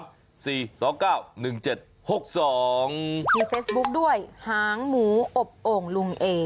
มีเฟซบุ๊กด้วยหางหมูอบโอ่งลุงเอ